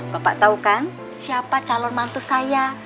bapak tahu kan siapa calon mantu saya